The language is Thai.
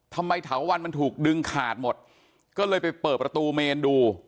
เถาวันมันถูกดึงขาดหมดก็เลยไปเปิดประตูเมนดู